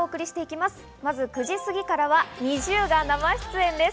まず９時すぎからはＮｉｚｉＵが生出演です。